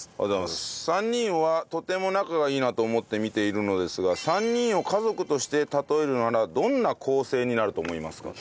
３人はとても仲がいいなと思って見ているのですが３人を家族として例えるならどんな構成になると思いますか？